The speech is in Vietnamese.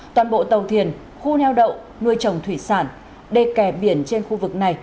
toàn bộ tàu thiền khu neo đậu nuôi trồng thủy sản đề kè biển trên khu vực này